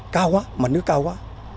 cao quá mặt nước cao quá